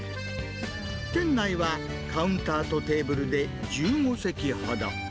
店内はカウンターとテーブルで１５席ほど。